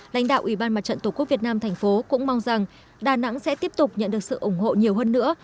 lãnh đạo ủy ban mặt trận tổ quốc việt nam thành phố cũng mong rằng đà nẵng sẽ tiếp tục nhận được sự ủng hộ nhiều hơn nữa